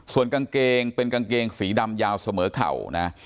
ส่วนกางเกงเป็นกางเกงสีดำยาวเสมอเข่านะ